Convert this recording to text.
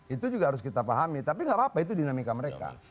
itu juga harus kita pahami tapi nggak apa apa itu dinamika mereka